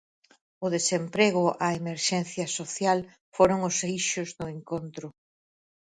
O desemprego a emerxencia social foron os eixos do Encontro.